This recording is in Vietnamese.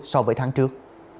so với tháng trước